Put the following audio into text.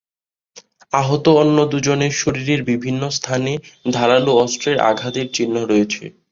আহত অন্য দুজনের শরীরের বিভিন্ন স্থানে ধারালো অস্ত্রের আঘাতের চিহ্ন রয়েছে।